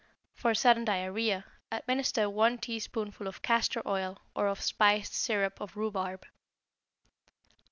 For sudden diarrhoea, administer one teaspoonful of castor oil or of spiced syrup of rhubarb.